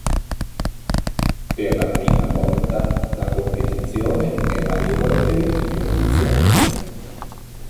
Per la prima volta la competizione è valevole per il titolo nazionale.